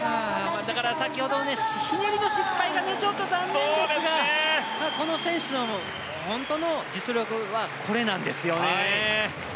先ほど、ひねりの失敗がちょっと残念ですがこの選手の本当の実力はこれなんですよね。